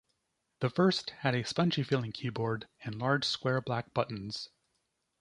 The first had a spongy-feeling keyboard and large square black buttons.